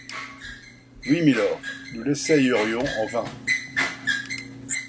Oui, mylord ! nous l’essayerions en vain !